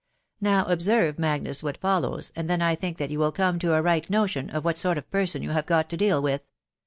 .•• Now observe, Magnus, what follows, and then I think that yon will come to a right notion of what sort of person you have got to deal with.